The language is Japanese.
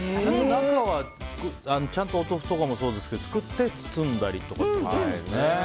中はちゃんとお豆腐とかもそうですけど作って、包んだりとかってことなんですかね。